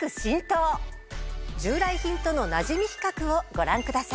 従来品とのなじみ比較をご覧ください。